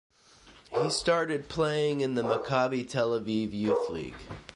He started playing in the Maccabi Tel Aviv Youth League.